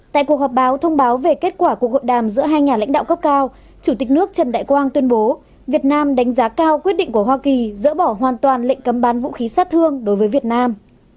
tại cuộc họp báo thông báo về kết quả cuộc hội đàm giữa hai nhà lãnh đạo cấp cao chủ tịch nước trần đại quang tuyên bố việt nam đánh giá cao quyết định của hoa kỳ dỡ bỏ hoàn toàn lệnh cấm bán vũ khí sát thương đối với việt nam